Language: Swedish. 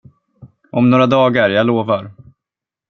Om några dagar, jag lovar.